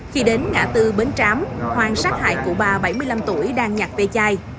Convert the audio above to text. khi đến ngã tư bến trám hoàng sát hại cụ bà bảy mươi năm tuổi đang nhặt về chai